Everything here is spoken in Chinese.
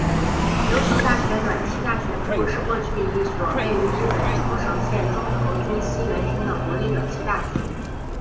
琉球大学短期大学部是过去一所位于日本冲绳县中头郡西原町的国立短期大学。